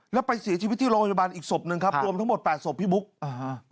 แล้วไปเสียชีวิตที่โรงพยาบาลอีกศพหนึ่งครับรวมทั้งหมดแปดศพพี่บุ๊คอ่าฮะ